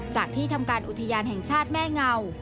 ที่ทำการอุทยานแห่งชาติแม่เงา